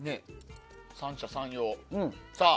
三者三様。